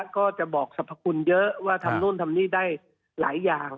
ก็จะบอกสรรพคุณเยอะว่าทำนู่นทำนี่ได้หลายอย่าง